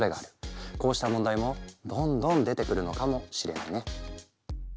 こうした問題もどんどん出てくるのかもしれないね。